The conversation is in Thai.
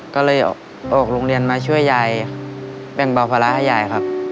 ก็เลยออกโรงเรียนมาช่วยยายแบ่งเบาภาระให้ยายครับ